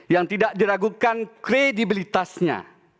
yang tidak diragukan kredibilitasnya